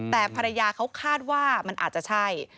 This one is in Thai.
แต่ภรรยาเขาคาดว่ามันอาจจะใช่